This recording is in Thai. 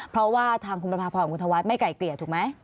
เพราะว่าทางคุณประพาพรกับคุณธวัฒน์ไม่ไกลเกลี่ยถูกไหม